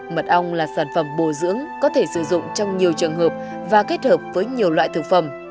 mật ong là sản phẩm bổ dưỡng có thể sử dụng trong nhiều trường hợp và kết hợp với nhiều loại thực phẩm